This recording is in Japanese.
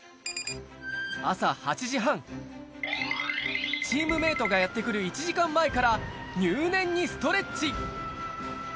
朝８時３０分、チームメートがやってくる１時間半前から入念にストレッチ。